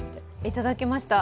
いただきました。